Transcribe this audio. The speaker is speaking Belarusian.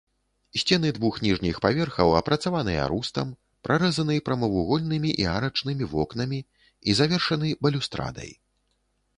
Сцены двух ніжніх паверхаў, апрацаваныя рустам, прарэзаны прамавугольнымі і арачнымі вокнамі і завершаны балюстрадай.